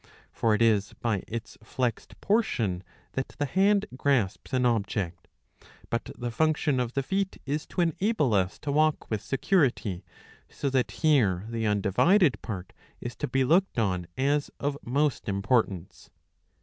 For it is by its flexed portion that the hand grasps an object. But the function of the feet is to enable us to walk with security ; so that here the undivided part is to be looked on as of most importance.